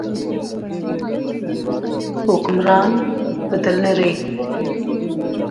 حکمران بدلنے رہے